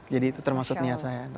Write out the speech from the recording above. jadi itu termasuk niat saya